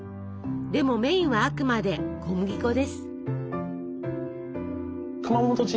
でもメインはあくまで小麦粉です。